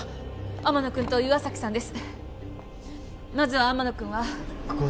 天野君と岩崎さんです